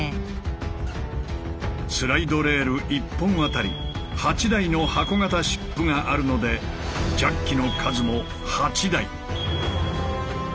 スライドレール１本当たり８台の箱型シップがあるのでジャッキの数も８台。